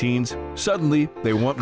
tiba tiba mereka ingin lebih banyak